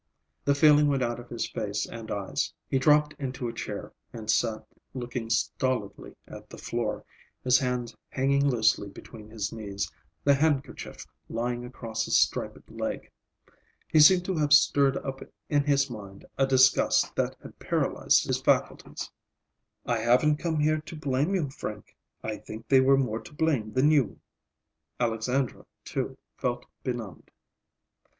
The feeling went out of his face and eyes. He dropped into a chair and sat looking stolidly at the floor, his hands hanging loosely between his knees, the handkerchief lying across his striped leg. He seemed to have stirred up in his mind a disgust that had paralyzed his faculties. "I haven't come up here to blame you, Frank. I think they were more to blame than you." Alexandra, too, felt benumbed.